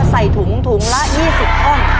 ใส่ถุงถุงละยี่สิบคน